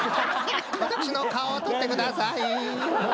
私の顔を撮ってください。